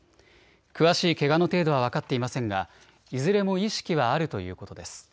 詳しいけがの程度は分かっていませんがいずれも意識はあるということです。